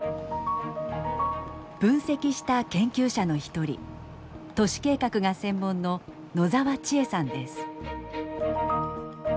分析した研究者の一人都市計画が専門の野澤千絵さんです。